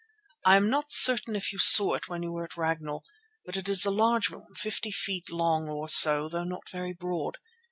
I am not certain if you saw it when you were at Ragnall, but it is a large room, fifty feet long or so though not very broad.